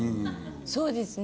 そうですね。